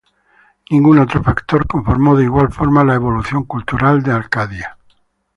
Ningún otro factor conformó de igual forma la evolución cultural de Acadia.